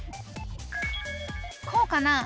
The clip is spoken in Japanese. こうかな？